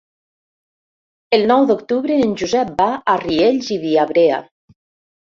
El nou d'octubre en Josep va a Riells i Viabrea.